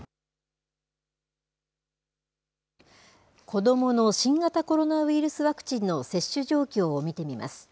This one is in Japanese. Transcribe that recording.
子どもの新型コロナウイルスワクチンの接種状況を見てみます。